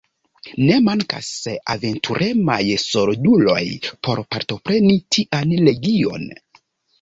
Ne mankas aventuremaj solduloj por partopreni tian legion.